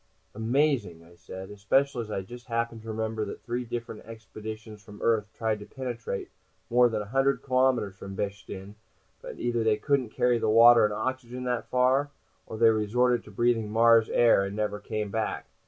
"Amazing!" I said. "Especially as I just happen to remember that three different expeditions from Earth tried to penetrate more than a hundred kilometers from Behastin, but either they couldn't carry the water and oxygen that far, or they resorted to breathing Mars air, and never came back.